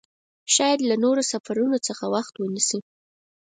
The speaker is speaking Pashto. شاید له نورو سفرونو څخه وخت ونیسي.